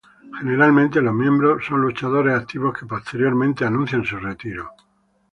Generalmente, los miembros son luchadores activos que posteriormente anuncian su retiro.